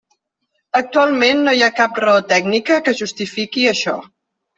Actualment no hi ha cap raó tècnica que justifiqui això.